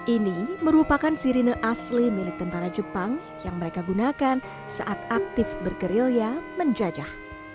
ini merupakan sirine asli milik tentara jepang yang mereka gunakan saat aktif bergerilya menjajah